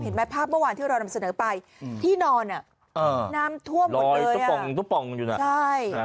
เห็นไหมภาพเมื่อวานที่เรานำเสนอไปที่นอนน้ำท่วมหมดเลย